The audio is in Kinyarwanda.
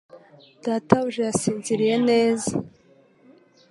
data buja yasinziriye neza